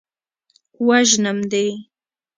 وژنم دې.